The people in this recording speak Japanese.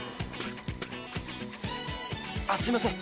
あっすいません。